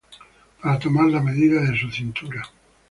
Para tomar la medida de su cintura